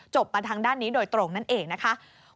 จบประทั้งด้านนี้โดยตรงนั่นเองนะคะ